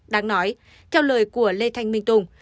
đáng nói theo lời của lê thanh minh tùng